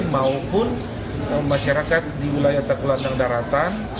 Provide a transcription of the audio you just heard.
maupun masyarakat di wilayah tengkulandang daratan